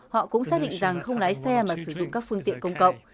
họ cũng xác định rằng không lái xe mà sử dụng các phương tiện công cộng